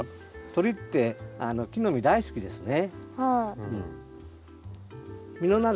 鳥って木の実大好きですね。